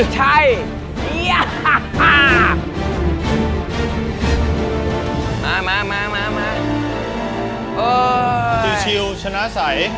ชิลล์ชิลล์ชนะใส